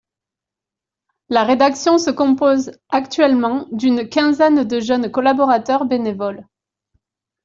La rédaction se compose actuellement d’une quinzaine de jeunes collaborateurs bénévoles.